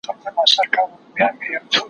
غوړي لا غوړ.